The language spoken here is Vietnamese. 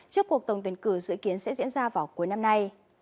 trước cuộc tổng tuyển cử dự kiến sẽ diễn ra vào cuối năm nay